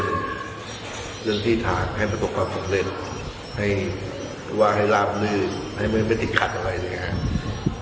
เรื่องที่ทางให้ประสบความสำเร็จให้ว่าให้ราบลื่นให้ไม่ติดขัดอะไรเลยครับ